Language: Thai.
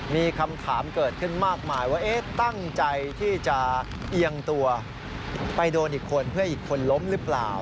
มีคำถามเกิดขึ้นมากมายว่าตั้งใจที่จะเอียงตัวไปโดนอีกคนเพื่ออีกคนล้มหรือเปล่า